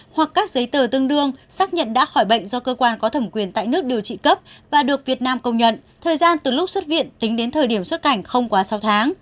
hoặc các giấy tờ tương đương xác nhận đã khỏi bệnh do cơ quan có thẩm quyền tại nước điều trị cấp và được việt nam công nhận thời gian từ lúc xuất viện tính đến thời điểm xuất cảnh không quá sáu tháng